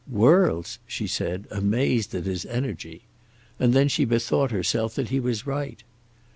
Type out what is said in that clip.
"Worlds!" she said, amazed at his energy; and then she bethought herself that he was right.